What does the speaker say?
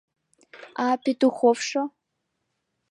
— А Петуховшо?